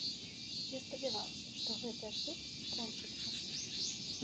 Я спадзяваўся, што гэты абсурд скончыцца.